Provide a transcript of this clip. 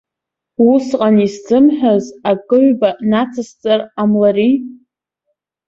Усҟан исзымҳәаз акы-ҩба нацысҵар ҟамлари?